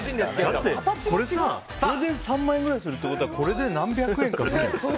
これで３万円ぐらいするってことはこれで何百円かするの。